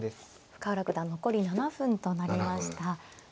深浦九段残り７分となりました。